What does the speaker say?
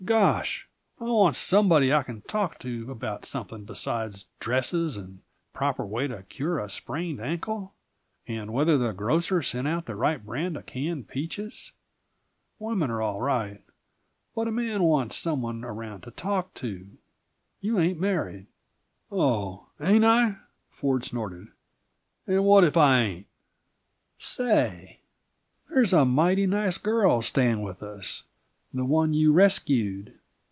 Gosh! I want somebody I can talk to about something besides dresses and the proper way to cure sprained ankles, and whether the grocer sent out the right brand of canned peaches. Women are all right but a man wants some one around to talk to. You ain't married!" "Oh. Ain't I?" Ford snorted. "And what if I ain't?" "Say, there's a mighty nice girl staying with us; the one you rescued.